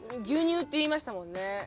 牛乳って言いましたもんね。